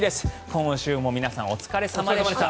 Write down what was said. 今週も皆さん、お疲れ様でした。